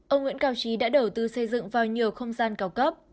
ông nguyễn cao trí đã đầu tư xây dựng vào nhiều không gian cao cấp